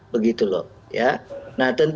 tentu itu tidak terpisah nanti dan ada kaitannya